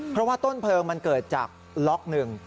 เพราะว่าต้นเพลิงมันเกิดจากล็อกหนึ่ง